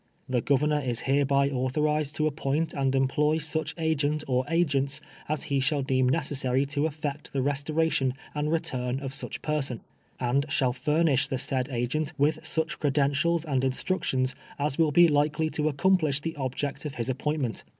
The Governor is hereby authori/A'd to ajipoint and employ such agent or agents as he shall de em ntcessjuy to eilect the restora tion and return of such person ; and shall luriiish the said agent ■with such credentials and instruetiuns as will be likely to ao coniplish the ol)ject of liis a])pointment.